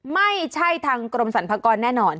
ไม่ใช่ทางกรมสรรพากรแน่นอน